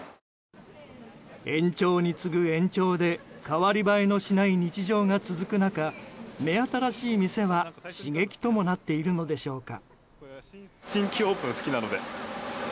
延長に次ぐ延長で代わり映えのしない日常が続く中目新しい店は、刺激ともなっているのでしょうか。